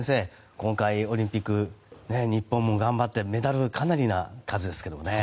今回、オリンピック日本も頑張ってメダルかなりの数ですけどね。